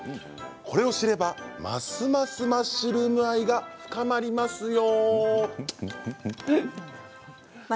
これを知ればますますマッシュルームへの愛が深まりますよ。